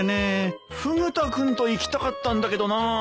フグ田君と行きたかったんだけどなあ。